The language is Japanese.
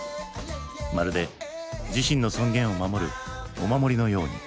まるで自身の尊厳を守るお守りのように。